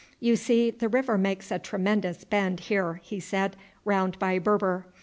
"You see the river makes a tremendous bend here," he said, "round by Berber.